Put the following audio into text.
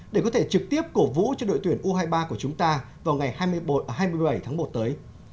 để có thể trực tiếp cổ vũ cho đội tuyển u hai mươi ba của chúng ta vào ngày hai mươi bảy tháng một tới